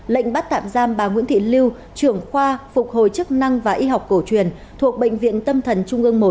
lệnh bắt tạm giam bà nguyễn thị lưu trưởng khoa phục hồi chức năng và y học cổ truyền thuộc bệnh viện tâm thần trung ương một